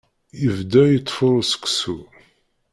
Yebda yettfuṛu seksu.